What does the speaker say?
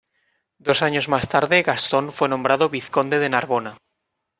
Dos años más tarde, Gastón fue nombrado vizconde de Narbona.